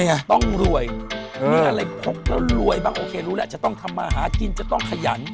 ต้องรวยมีอะไรพกแล้วรวยบ้างโอเครู้แล้วจะต้องทำมาหากินจะต้องขยัน